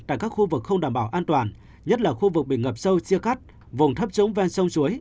tại các khu vực không đảm bảo an toàn nhất là khu vực bị ngập sâu chia cắt vùng thấp trũng ven sông suối